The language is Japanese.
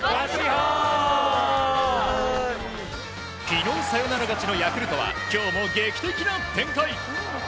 昨日サヨナラ勝ちのヤクルトは今日も劇的な展開！